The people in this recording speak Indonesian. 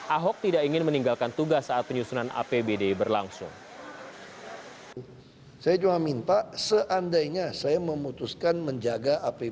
ahok tidak ingin meninggalkan tugas saat penyusunan apbd berlangsung